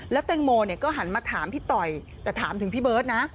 แล้วแตงโมก็หันมาถามพี่ต่อยแต่ถามถึงพี่เบิร์ตนะ